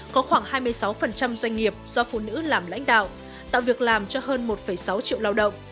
có khoảng hai mươi sáu doanh nghiệp do phụ nữ làm lãnh đạo tạo việc làm cho hơn một sáu triệu lao động